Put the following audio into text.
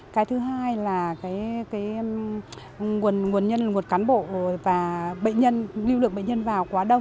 cái thứ hai là nguồn nhân nguồn cán bộ và lưu lượng bệnh nhân vào quá đông